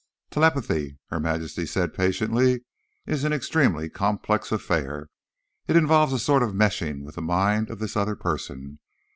"Telepathy," Her Majesty said patiently, "is an extremely complex affair. It involves a sort of meshing with the mind of this other person.